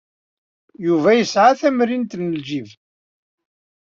Yuba yesɛa tamrint n ljib.